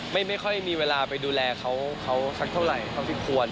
ไม่ค่อยมีเวลาไปดูแลเขาสักเท่าไหร่ความจริงควร